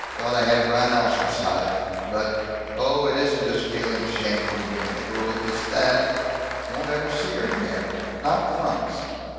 Thought I had a rhinoceros hide. But Oh, it isn't just feeling ashamed over being a fool. It's that Won't ever see her again. Not once.